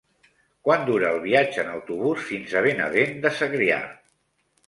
Quant dura el viatge en autobús fins a Benavent de Segrià?